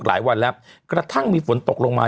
หลายวันแล้วกระทั่งมีฝนตกลงมา